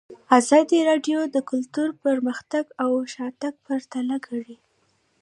ازادي راډیو د کلتور پرمختګ او شاتګ پرتله کړی.